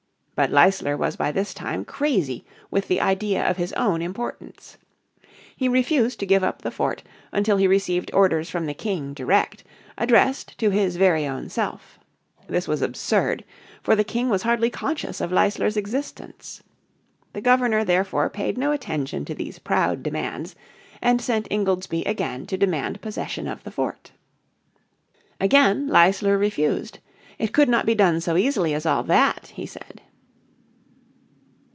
But Leisler was by this time crazy with the idea of his own importance. He refused to give up the fort until he received orders from the King direct, addressed to his very own self. This was absurd, for the King was hardly conscious of Leisler's existence. The Governor therefore paid no attention to these proud demands, and sent Ingoldsby again to demand possession of the fort. Again Leisler refused. It could not be done so easily as all that, he said.